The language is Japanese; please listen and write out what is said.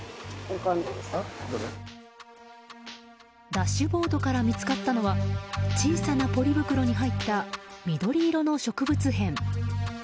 ダッシュボードから見つかったのは小さなポリ袋に入った緑色の植物片。